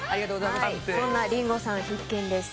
そんなリンゴさん必見です。